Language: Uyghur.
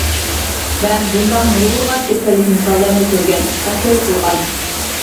مەن بۇنداق نۇرغۇنلىغان كېسەللىك مىساللىرىنى كۆرگەن، تەھلىل قىلغان.